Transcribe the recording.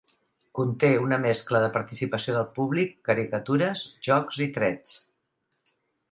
Conté una mescla de participació del públic, caricatures, jocs i trets.